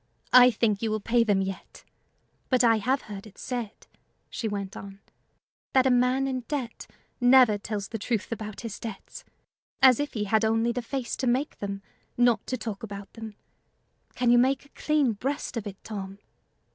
"I think you will pay them yet. But I have heard it said," she went on, "that a man in debt never tells the truth about his debts as if he had only the face to make them, not to talk about them: can you make a clean breast of it, Tom?"